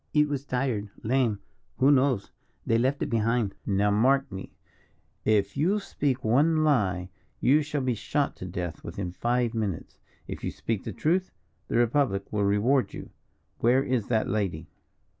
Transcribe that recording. "It was tired, lame, who knows? they left it behind." "Now, mark me, if you speak one lie, you shall be shot to death within five minutes. If you speak truth, the Republic will reward you. Where is that lady?"